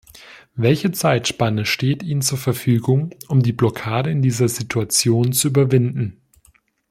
Welche Zeitspanne steht Ihnen zur Verfügung, um die Blockade in dieser Situation zu überwinden?